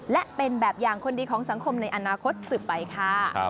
และเป็นแบบอย่างคนดีของสังคมในอนาคตสืบไปค่ะ